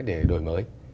để đổi mới